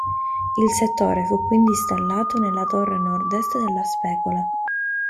Il settore fu quindi installato nella torre Nord-Est della Specola.